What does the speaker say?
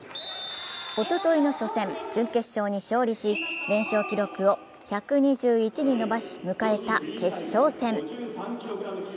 おとといの初戦、準決勝に勝利し連勝記録を１２１に伸ばし迎えた決勝戦。